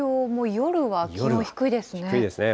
夜は低いですね。